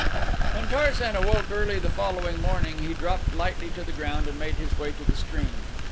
When Tarzan awoke early the following morning he dropped lightly to the ground and made his way to the stream.